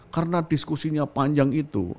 karena diskusinya panjang itu